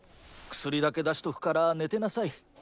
薬だけ出しとくから寝てなさい。